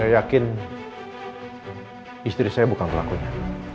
saya yakin istri saya bukan pelakunya